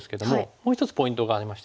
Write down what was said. もう一つポイントがありまして。